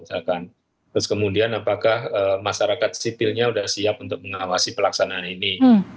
terus kemudian apakah masyarakat sipilnya sudah siap untuk mengawasi pelaksanaan ini